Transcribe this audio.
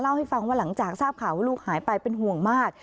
เล่าให้ฟังว่าหลังจากทราบข่าวว่าลูกหายไปเป็นห่วงมาก